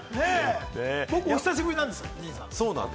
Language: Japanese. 僕、お久しぶりなんですよね。